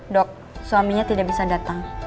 dok suaminya tidak bisa datang